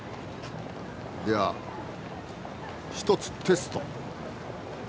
では１つテスト。